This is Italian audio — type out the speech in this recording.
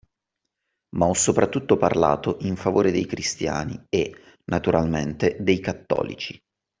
Ma ho soprattutto parlato in favore dei cristiani e, naturalmente, dei cattolici